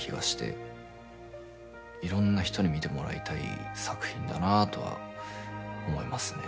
いろんな人に見てもらいたい作品だなとは思いますね。